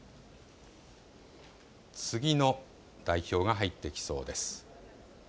次の代表が入ってきそうです。